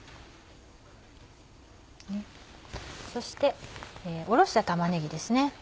そしておろした玉ねぎですね。